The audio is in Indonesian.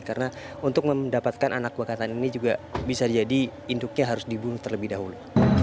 karena untuk mendapatkan anak bekantan ini juga bisa jadi induknya harus dibunuh terlebih dahulu